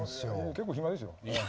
結構暇ですよ。